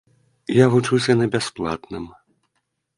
Я вучуся на бясплатным.